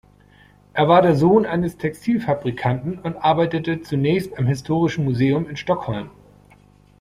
Er war der Sohn eines Textilfabrikanten und arbeitete zunächst am Historischen Museum in Stockholm.